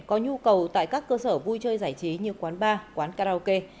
có nhu cầu tại các cơ sở vui chơi giải trí như quán bar quán karaoke